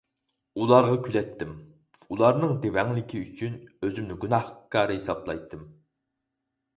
ئۇلارغا كۈلەتتىم، ئۇلارنىڭ دېۋەڭلىكى ئۈچۈن ئۆزۈمنى گۇناھكار ھېسابلايتتىم.